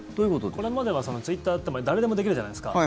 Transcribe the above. これまではツイッターって誰でもできるじゃないですか。